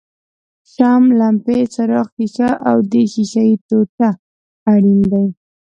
شمع، لمپې څراغ ښيښه او د ښیښې ټوټه اړین دي.